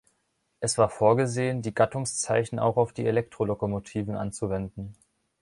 Es war vorgesehen, die Gattungszeichen auch auf die Elektrolokomotiven anzuwenden.